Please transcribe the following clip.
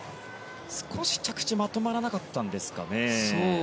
少し着地まとまらなかったんですかね。